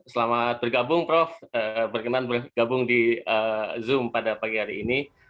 selamat bergabung prof berkenan bergabung di zoom pada pagi hari ini